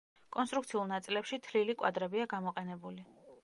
კონსტრუქციულ ნაწილებში თლილი კვადრებია გამოყენებული.